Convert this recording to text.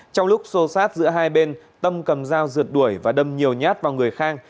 trong lúc xô sát giữa hai bên tâm cầm dao rượt đuổi và đâm nhiều nhát vào người khang